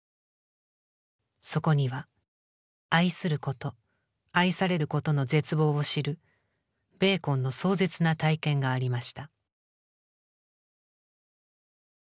そこには愛すること愛されることの絶望を知るベーコンの壮絶な体験がありました。